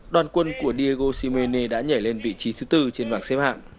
đoàn quân của diego simeone đã nhảy lên vị trí thứ bốn trên bảng xếp hạng